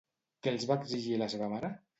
Què els va exigir la seva mare?